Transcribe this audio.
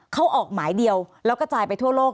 เขาออกหมายเดียวแล้วกระจายไปทั่วโลก